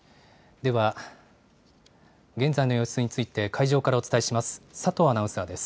では現在の様子について、会場からお伝えします。